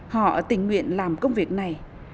họ tình nguyện làm công việc này